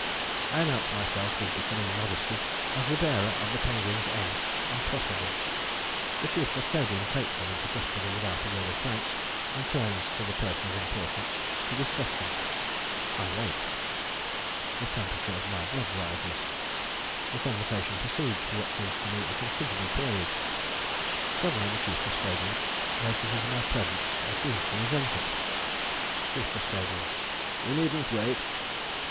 I announce myself with becoming modesty as the bearer of the penguins' eggs, and proffer them. The Chief Custodian takes them into custody without a word of thanks, and turns to the Person of Importance to discuss them. I wait. The temperature of my blood rises. The conversation proceeds for what seems to me a considerable period. Suddenly the Chief Custodian notices my presence and seems to resent it. CHIEF CUSTODIAN. You needn't wait.